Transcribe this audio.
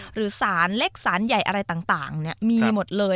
หรือสารเล็กสารใหญ่อะไรต่างมีหมดเลย